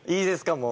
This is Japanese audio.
もう。